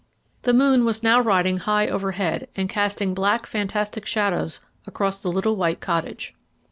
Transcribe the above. The moon was now riding high overhead and casting black fantastic shadows across the little white cottage.